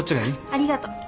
あっありがと。